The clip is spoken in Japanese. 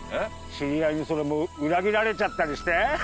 知り合いにそれも裏切られちゃったりして？